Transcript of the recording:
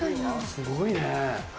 すごいね。